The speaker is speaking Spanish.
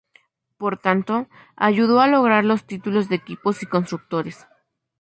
Por tanto, ayudó a lograr los títulos de equipos y constructores.